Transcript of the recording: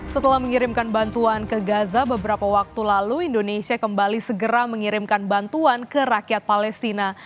setelah mengirimkan bantuan ke gaza beberapa waktu lalu indonesia kembali segera mengirimkan bantuan ke rakyat palestina